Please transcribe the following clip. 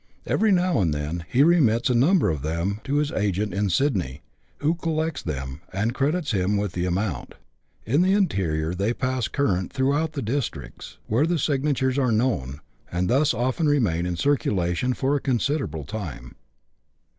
Every now and then he remits a number of them to his agent in Sydney, who collects them, and credits him with the amount. In the interior they pass current throughout the districts where the signatures are known, and thus often remain in circulation for a considerable time.